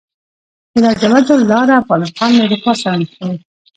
د لاجوردو لاره افغانستان له اروپا سره نښلوي